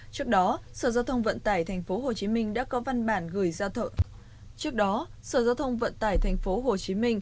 trước đó sở giao thông vận tải tp hcm đã có văn bản gửi trước đó sở giao thông vận tải tp hcm